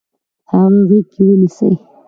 هغه غیږ کې ونیسئ.